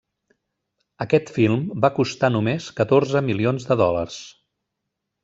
Aquest film va costar només catorze milions de dòlars.